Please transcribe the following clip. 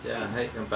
乾杯。